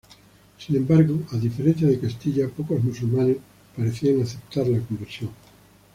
Sin embargo, a diferencia de Castilla, pocos musulmanes parecían aceptar la conversión.